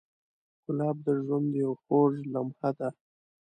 ګلاب د ژوند یو خوږ لمحه ده.